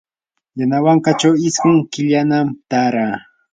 yanawankachaw isqun killanam taaraa.